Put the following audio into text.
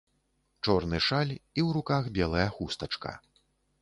Чорны шаль, і ў руках белая хустачка.